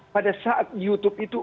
pada saat youtube itu